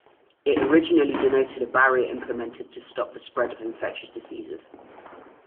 It originally denoted a barrier implemented to stop the spread of infectious diseases.